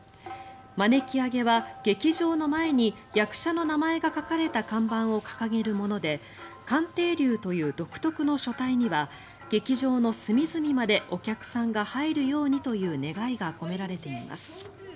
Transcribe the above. まねき上げは劇場の前に役者の名前が書かれた看板を掲げるもので勘亭流という独特の書体には劇場の隅々までお客さんが入るようにという願いが込められています。